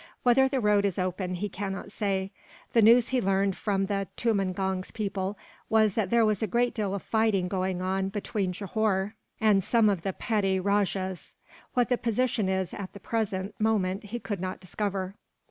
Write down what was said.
Whether the road is open, he cannot say. The news he learned, from the tumangong's people, was that there was a great deal of fighting going on between Johore and some of the petty rajahs. What the position is, at the present, moment he could not discover.